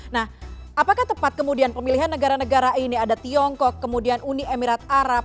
nah apakah tepat kemudian pemilihan negara negara ini ada tiongkok kemudian uni emirat arab